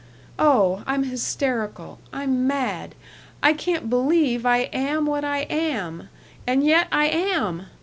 Oh, I'm hysterical; I'm mad. I can't believe I am what I am and yet I am!...